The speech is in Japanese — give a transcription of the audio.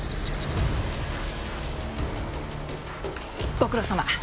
ご苦労さま。